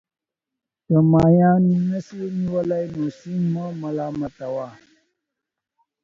که ماهيان نسې نيولى، نو سيند مه ملامت وه.